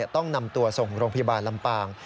ต้องนำตัวส่งโรงพยาบาลลำปาง